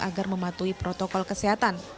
agar mematuhi protokol kesehatan